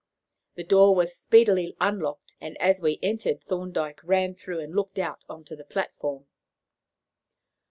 The door was speedily unlocked, and, as we entered, Thorndyke ran through and looked out on to the platform.